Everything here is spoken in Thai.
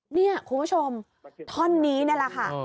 เนี่ยคุณผู้ชมท่อนี้แน่ละค่ะ